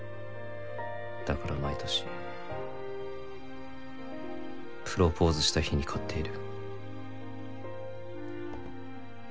だから毎年プロポーズした日に買っている。